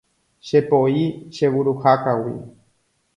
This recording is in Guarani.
chepoi che vuruhákagui